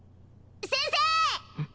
先生！